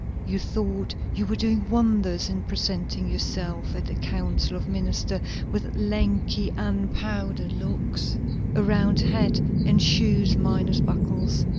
You thought you were doing wonders in presenting yourself at the council of ministers with lanky, unpowdered locks, a round hat, and shoes minus buckles.